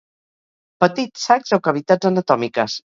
Petits sacs o cavitats anatòmiques.